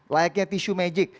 layaknya tisu magic